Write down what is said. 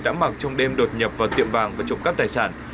đã mặc trong đêm đột nhập vào tiệm vàng và trộm cắp tài sản